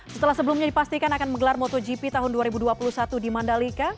setelah sebelumnya dipastikan akan menggelar motogp tahun dua ribu dua puluh satu di mandalika